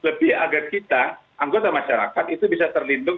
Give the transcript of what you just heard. lebih agar kita anggota masyarakat itu bisa terlindung